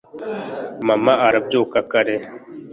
mama arabyuka kare